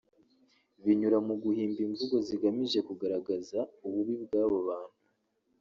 binyura mu guhimba imvugo zigamije kugaragaza ububi bw’abo bantu